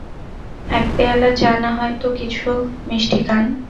এক পেয়ালা চা–নাহয় তো কিছু মিষ্টি খান।